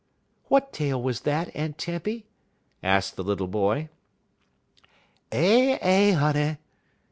"What tale was that, Aunt Tempy?" asked the little boy. "Eh eh, honey!"